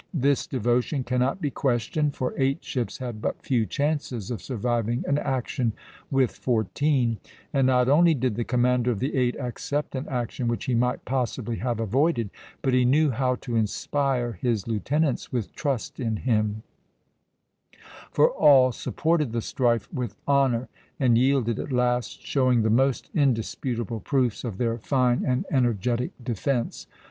This devotion cannot be questioned, for eight ships had but few chances of surviving an action with fourteen; and not only did the commander of the eight accept an action which he might possibly have avoided, but he knew how to inspire his lieutenants with trust in him; for all supported the strife with honor, and yielded at last, showing the most indisputable proofs of their fine and energetic defence.